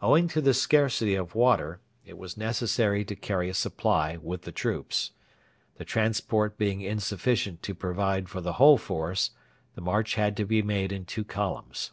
Owing to this scarcity of water it was necessary to carry a supply with the troops. The transport being insufficient to provide for the whole force, the march had to be made in two columns.